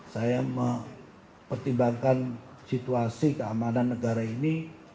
saya mempertimbangkan situasi keamanan negara ini